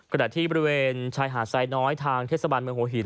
ขณะที่บริเวณชายหาดไซน้อยทางเทศบาลเมืองหัวหิน